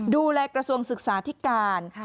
ดูแลกระทรวงศึกษาที่การ